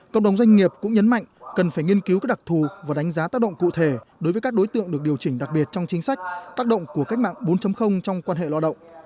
cộng đồng doanh nghiệp cũng nhấn mạnh cần phải nghiên cứu các đặc thù và đánh giá tác động cụ thể đối với các đối tượng được điều chỉnh đặc biệt trong chính sách tác động của cách mạng bốn trong quan hệ lao động